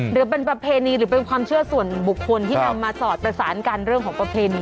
หรือเป็นประเพณีหรือเป็นความเชื่อส่วนบุคคลที่นำมาสอดประสานกันเรื่องของประเพณี